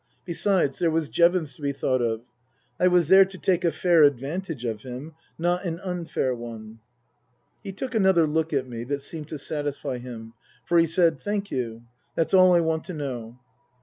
Besides, there was Jevons to be thought of. I was there to take a fair advantage of him, not an unfair one.) He took another look at me that seemed to satisfy him, for he said :" Thank you. That's all I want to know."